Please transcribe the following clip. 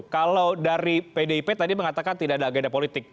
kalau dari pdip tadi mengatakan tidak ada agenda politik